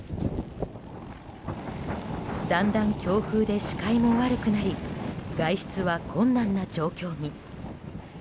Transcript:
だんだん強風で視界も悪くなり外出は困難な状況に。